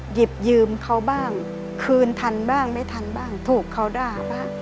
หยิบยืมเขาบ้างคืนทันบ้างไม่ทันบ้างถูกเขาด่าบ้าง